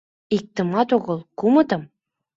Иктымат огыл, кумытым.